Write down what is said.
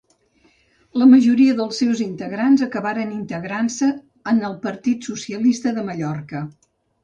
La majoria dels seus integrants acabaren integrant-se en el Partit Socialista de Mallorca.